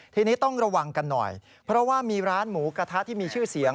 ทีนี้ต้องระวังกันหน่อยเพราะว่ามีร้านหมูกระทะที่มีชื่อเสียง